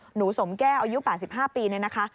หนูสมแก้วอายุ๘๕ปีเนี่ยนะคะ